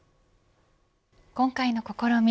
今回の試み